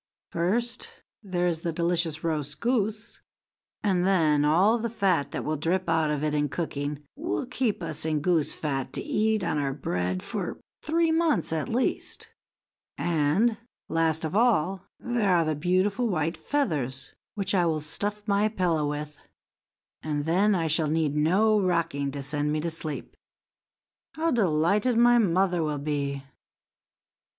First, there is the delicious roast goose, and then all the fat that will drip out of it in cooking will keep us in goose fat to eat on our bread for three months, at least; and, last of all, there are the beautiful white feathers, which I will stuff my pillow with, and then I shall need no rocking to send me to sleep. How delighted my mother will be!"